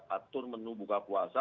atur menu buka puasa